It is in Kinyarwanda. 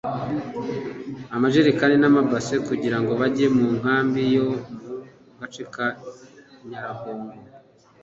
amajerekani n’amabase kugira ngo bajye mu nkambi yo mu gace ka Nyaragongo